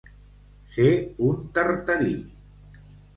Ser un Tartarí.